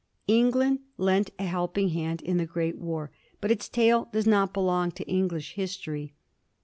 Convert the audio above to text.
England lent a helping hand in the great war, but its tale does not belong to English history.